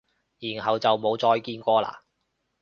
然後就冇再見過喇？